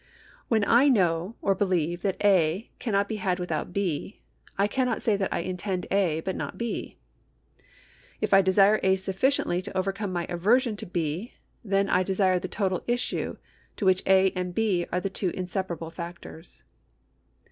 When I know or believe that A. cannot be had without B., I cannot say that I intend A. but not B. If I desire A. sufficiently to overcome my aversion to B., then I desire the total issue of Y 338 INTENTION AND NEGLIGENCE [§133 which A. and B. arc tlic two inseparable factors.